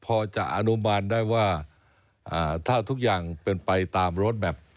พอจะอนุมานได้ว่าถ้าทุกอย่างเป็นไปตามรถแมพ